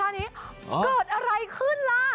ต้องทำท่านี้เกิดอะไรขึ้นล่ะ